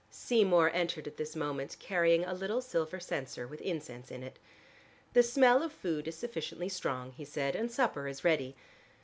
Seymour entered at this moment carrying a little silver censer with incense in it. "The smell of food is sufficiently strong," he said. "And supper is ready.